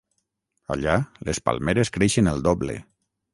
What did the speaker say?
Allà, les palmeres creixen el doble.